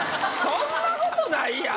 そんなことないやろ。